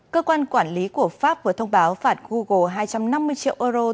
cơ quan quản lý của pháp vừa thông báo phạt google hai trăm năm mươi